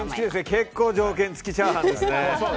結構条件付きチャーハンですね。